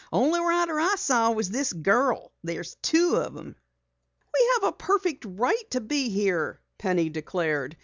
The only rider I saw was this girl. There's two of 'em." "We have a perfect right to be here," Penny declared.